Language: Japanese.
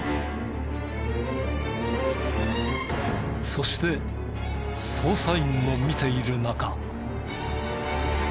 そして捜査員の見ている中。